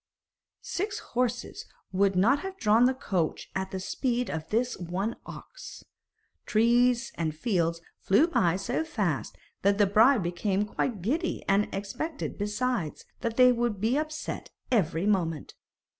Six horses would not have drawn the coach at the speed of this one ox. Trees and fields flew by so fast that the bride became quite giddy, and expected, besides, that they would be upset every moment.